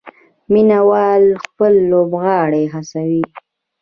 مینه وال خپل لوبغاړي هڅوي.